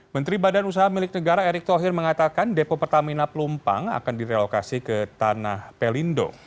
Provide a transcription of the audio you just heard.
menteri badan usaha milik negara erick thohir mengatakan depo pertamina pelumpang akan direlokasi ke tanah pelindo